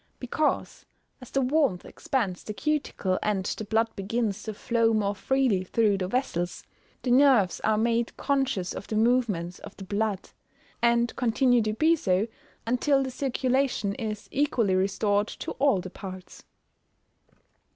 _ Because, as the warmth expands the cuticle, and the blood begins to flow more freely through the vessels, the nerves are made conscious of the movements of the blood, and continue to be so until the circulation is equally restored to all the parts.